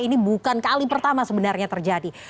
ini bukan kali pertama sebenarnya terjadi